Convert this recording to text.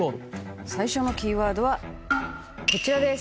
最初のキーワードはこちらです。